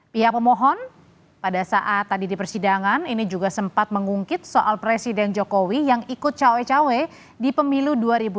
pihak pemohon pada saat tadi di persidangan ini juga sempat mengungkit soal presiden jokowi yang ikut cawe cawe di pemilu dua ribu dua puluh